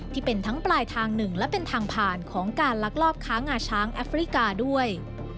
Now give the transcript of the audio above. ที่เป็นทั้งปลายทางหนึ่งและเป็นทางผ่านของการลักลอบค้างาช้างแอฟริกาด้วย